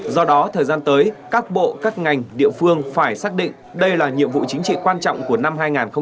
do đó thời gian tới các bộ các ngành địa phương phải xác định đây là nhiệm vụ chính trị quan trọng của năm hai nghìn hai mươi